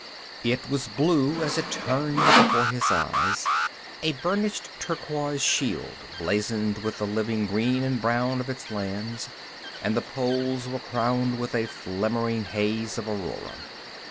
It was blue as it turned before his eyes, a burnished turquoise shield blazoned with the living green and brown of its lands, and the poles were crowned with a flimmering haze of aurora.